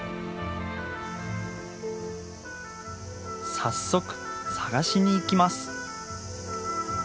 早速探しに行きます。